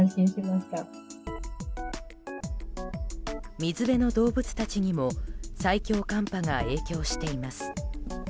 水辺の動物たちにも最強寒波が影響しています。